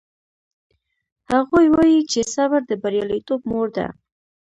هغوی وایي چې صبر د بریالیتوب مور ده